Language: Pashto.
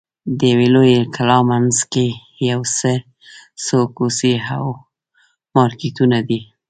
د یوې لویې کلا منځ کې یو څو کوڅې او مارکېټونه دي.